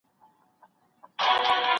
کليوال کله کله د پېښې په اړه چوپ شي.